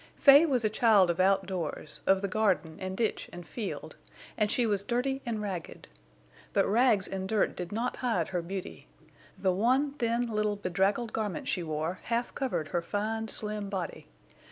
Fay was a child of outdoors, of the garden and ditch and field, and she was dirty and ragged. But rags and dirt did not hide her beauty. The one thin little bedraggled garment she wore half covered her fine, slim body.